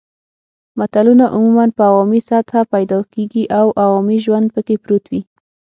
متلونه عموماً په عوامي سطحه پیدا کیږي او عوامي ژوند پکې پروت وي